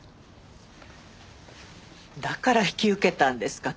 だから引き受けたんですか？